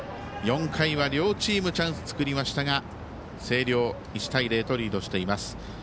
４回は両チームがチャンスを作りましたが星稜、１対０とリードしています。